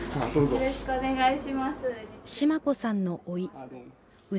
よろしくお願いします。